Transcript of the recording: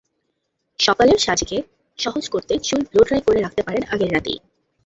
সকালের সাজকে সহজ করতে চুল ব্লো ড্রাই করে রাখতে পারেন আগের রাতেই।